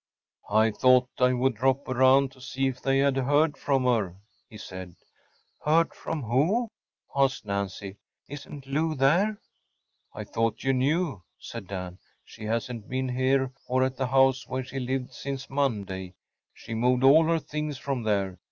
“I thought I would drop around to see if they had heard from her,‚ÄĚ he said. “Heard from who?‚ÄĚ asked Nancy. “Isn’t Lou there?‚ÄĚ “I thought you knew,‚ÄĚ said Dan. “She hasn’t been here or at the house where she lived since Monday. She moved all her things from there.